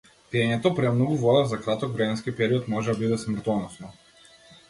Пиењето премногу вода за краток временски период може да биде смртоносно.